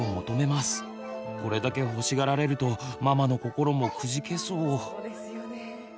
これだけ欲しがられるとママの心もくじけそう。